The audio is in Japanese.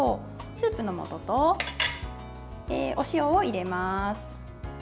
スープのもとと、お塩を入れます。